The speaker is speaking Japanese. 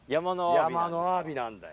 山のアワビなんだよ。